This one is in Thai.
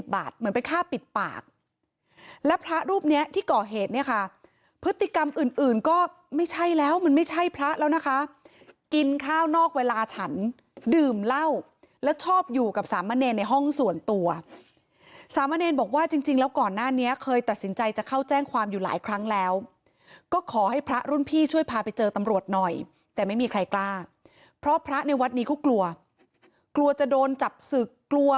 ๑๒๐บาทเหมือนเป็นค่าปิดปากและพระรูปนี้ที่ก่อเหตุเนี่ยค่ะพฤติกรรมอื่นก็ไม่ใช่แล้วมันไม่ใช่พระแล้วนะคะกินข้าวนอกเวลาฉันดื่มเล่าและชอบอยู่กับสามเมรนดร์ในห้องส่วนตัวสามเมรนดร์บอกว่าจริงแล้วก่อนหน้านี้เคยตัดสินใจจะเข้าแจ้งความอยู่หลายครั้งแล้วก็ขอให้พระรุ่นพี่ช่วยพาไปเจอตำรวจหน